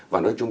và nói chung